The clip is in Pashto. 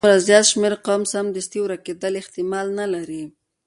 د دومره زیات شمیر قوم سمدستي ورکیدل احتمال نه لري.